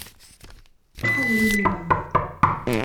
Ḥader iman-im!